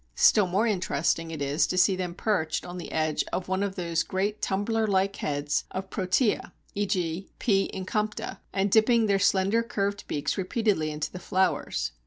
Still more interesting it is to see them perched on the edge of one of those great tumbler like heads of Protea (e.g. P. incompta) and dipping their slender curved beaks repeatedly into the flowers.